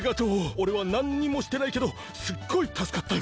おれはなんにもしてないけどすっごいたすかったよ。